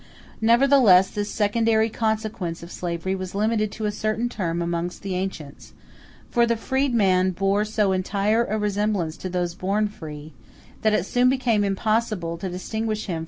Nevertheless, this secondary consequence of slavery was limited to a certain term amongst the ancients, for the freedman bore so entire a resemblance to those born free, that it soon became impossible to distinguish him from amongst them.